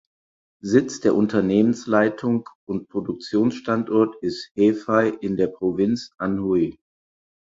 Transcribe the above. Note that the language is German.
Sitz der Unternehmensleitung und Produktionsstandort ist Hefei in der Provinz Anhui.